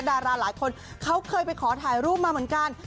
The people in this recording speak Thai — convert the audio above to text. ดาราหลายคนเขาเคยไปขอถ่ายรูปมาเหมือนกัน